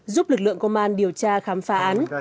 giúp lực lượng công an điều tra khám phá án